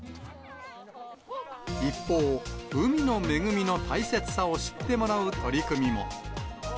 一方、海の恵みの大切さを知ってもらう取り組みも。